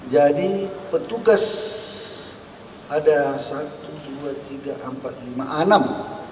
jadi petugas ada satu dua tiga empat lima enam